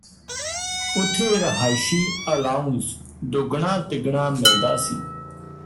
ਉਥੇ ਰਹਾਇਸ਼ੀ ਅਲਾਊਂਸ ਦੁੱਗਣਾ ਤਿੱਗਣਾ ਮਿਲਦਾ ਸੀ